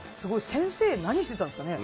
先生、何していたんですかね。